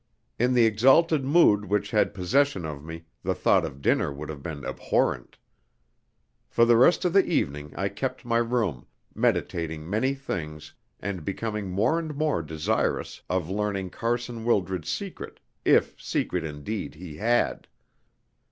In the exalted mood which had possession of me the thought of dinner would have been abhorrent. For the rest of the evening I kept my room, meditating many things, and becoming more and more desirous of learning Carson Wildred's secret, if secret indeed he had.